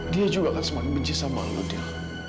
dia juga akan semakin benci sama lo dil